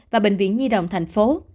và bệnh viện nhi đồng thành phố